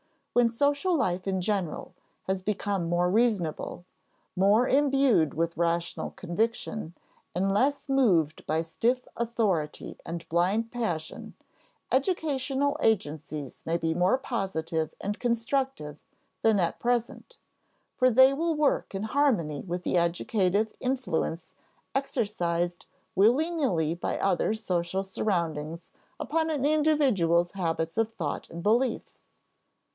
When social life in general has become more reasonable, more imbued with rational conviction, and less moved by stiff authority and blind passion, educational agencies may be more positive and constructive than at present, for they will work in harmony with the educative influence exercised willy nilly by other social surroundings upon an individual's habits of thought and belief.